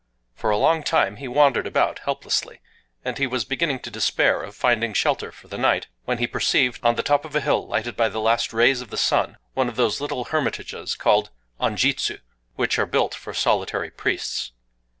For a long time he wandered about helplessly; and he was beginning to despair of finding shelter for the night, when he perceived, on the top of a hill lighted by the last rays of the sun, one of those little hermitages, called anjitsu, which are built for solitary priests.